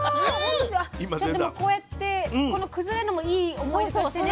ちょっとでもこうやってこの崩れるのもいい思い出としてね。